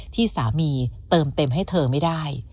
ที่สามีเติมเต็มให้เธอไม่ได้